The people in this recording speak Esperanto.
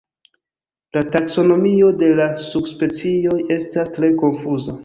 La taksonomio de la subspecioj estas tre konfuza.